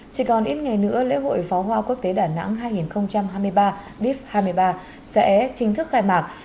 chỉ còn ít ngày nữa lễ hội pháo hoa quốc tế đà nẵng hai nghìn hai mươi ba deep hai mươi ba sẽ chính thức khai mạc